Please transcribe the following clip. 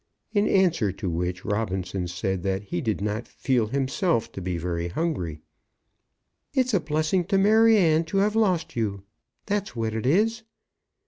In answer to which, Robinson said that he did not feel himself to be very hungry. "It's a blessing to Maryanne to have lost you; that's what it is."